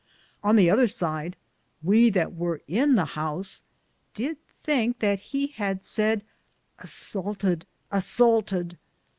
On the other side, we that weare in the house, did thinke that he had saide : Assalted ! assalted